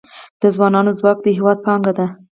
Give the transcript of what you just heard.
د ځوانانو ځواک د هیواد پانګه ده